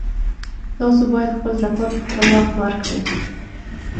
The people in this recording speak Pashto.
تاسو باید خپل زکات په خپلوخت ورکړئ